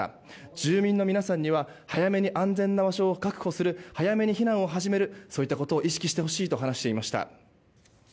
住民の皆さんには早めに安全な場所を確保する早めに避難を始めることを意識してほしいと話していました。